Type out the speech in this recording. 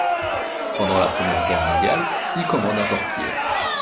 Pendant la Première Guerre mondiale, il commande un torpilleur.